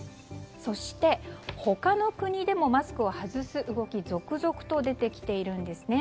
そして他の国でもマスクを外す動きが続々と出てきているんですね。